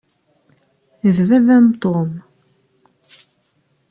D baba-m Tom.